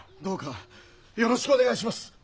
どうかよろしくお願いします！